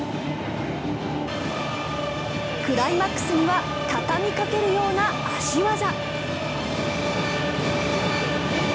クライマックスには畳みかけるような脚技。